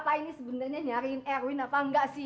pak ini sebenarnya nyariin erwin apa enggak sih